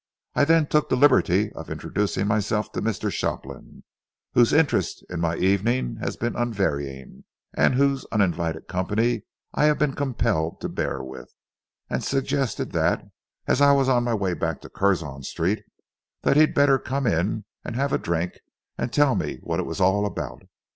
I then took the liberty of introducing myself to Mr. Shopland, whose interest in my evening has been unvarying, and whose uninvited company I have been compelled to bear with, and suggested that, as I was on my way back to Curzon Street, he had better come in and have a drink and tell me what it was all about.